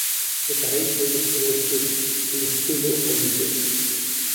E para iso hai que facer un estudo, un estudo ambicioso.